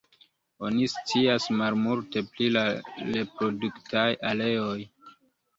Oni scias malmulte pri la reproduktaj areoj.